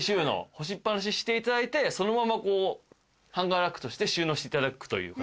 干しっ放ししていただいてそのままこうハンガーラックとして収納していただくという。